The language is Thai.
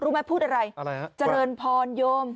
รู้ไหมพูดอะไรจริญพรโยม